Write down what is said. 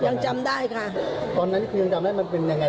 ยังจำได้ค่ะตอนนั้นคือยังจำได้มันเป็นยังไง